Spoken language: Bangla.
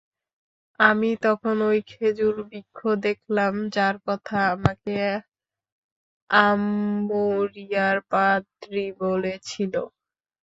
আমি তখন ঐ খেজুর বৃক্ষ দেখলাম যার কথা আমাকে আম্মুরিয়ার পাদ্রী বলেছিল।